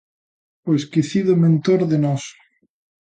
O esquecido mentor de Nós.